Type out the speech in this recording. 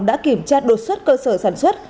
đã kiểm tra đột xuất cơ sở sản xuất